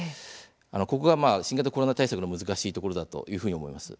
ここが新型コロナ対策の難しいところだと思います。